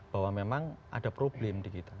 bahwa memang ada problem di kita